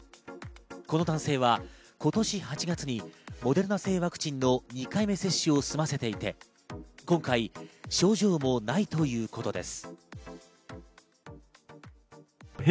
この男性は今年８月にモデルナ製ワクチンの２回目接種を済ませていて、今回、症状もないということです。